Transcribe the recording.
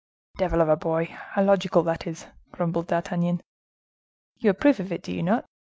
"Devil of a boy, how logical that is!" grumbled D'Artagnan. "You approve of it, do you not?"